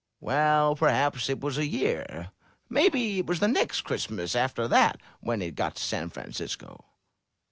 "Well, perhaps it was a year. Maybe it was the next Christmas after that when it got to San Francisco."